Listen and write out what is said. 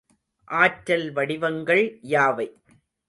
ஆற்றல் வடிவங்கள் யாவை?